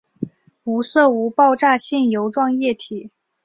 无色无爆炸性油状液体。